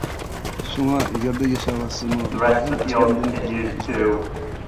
شۇڭا يەردە ياشاۋاتسىمۇ دائىم ئاسماندىن كۆزىنى ئۈزمەيدۇ.